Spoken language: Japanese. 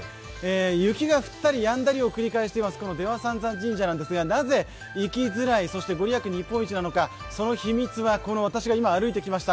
雪が降ったりやんだりを繰り返している出羽三山神社なんですがなぜ行きづらい、そして御利益日本一なのか、その秘密は、私が今歩いてきました